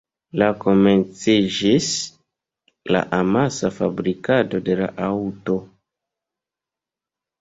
La komenciĝis la amasa fabrikado de la aŭto.